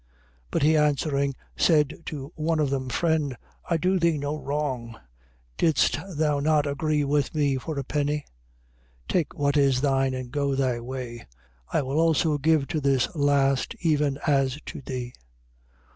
20:13. But he answering said to one of them: friend, I do thee no wrong: didst thou not agree with me for a penny? 20:14. Take what is thine, and go thy way: I will also give to this last even as to thee.